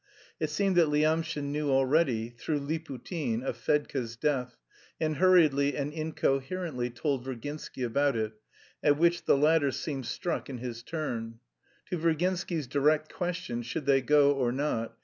It seemed that Lyamshin knew already (through Liputin) of Fedka's death, and hurriedly and incoherently told Virginsky about it, at which the latter seemed struck in his turn. To Virginsky's direct question, "Should they go or not?"